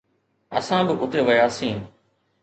اسان به اتي وياسين.